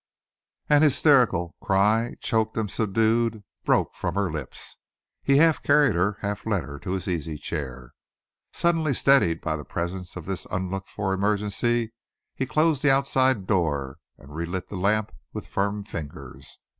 An hysterical cry, choked and subdued, broke from her lips. He half carried, half led her to his easy chair. Suddenly steadied by the presence of this unlooked for emergency, he closed the outside door and relit the lamp with firm fingers.